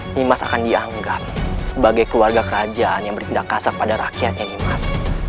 nimas akan dianggap sebagai keluarga kerajaan yang bertindak kasar pada rakyatnya nimas